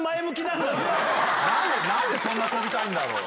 何でそんな跳びたいんだろう？